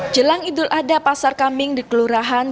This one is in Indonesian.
jelang idul adha pasar kambing di kelurahan